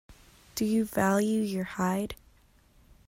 Do you value your hide.